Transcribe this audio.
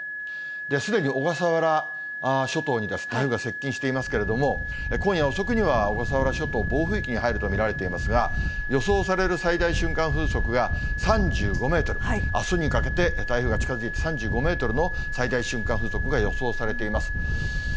すでに小笠原諸島に台風が接近していますけれども、今夜遅くには小笠原諸島、暴風域に入ると見られていますが、予想される最大瞬間風速が３５メートル、あすにかけて台風が近づいて、３５メートルの最大瞬間風速が予想されています。